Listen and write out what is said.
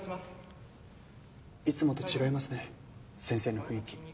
いつもと違いますね先生の雰囲気。